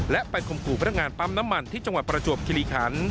และไปข่มขู่พนักงานปั๊มน้ำมันที่จังหวัดประจวบคิริคัน